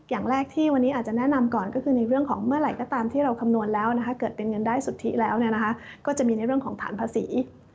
อย่างแรกที่วันนี้อาจจะแนะนำก่อนก็คือในเรื่องของเมื่อไหร่ก็ตามที่เราคำนวณแล้วเกิดเป็นเงินได้สุทธิแล้วก็จะมีในเรื่องของฐานภาษี